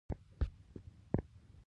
د اسونو لوبه یا بزکشي پخوانۍ ده